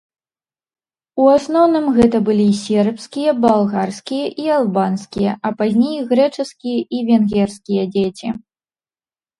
У асноўным гэта былі сербскія, балгарскія і албанскія, а пазней грэчаскія і венгерскія дзеці.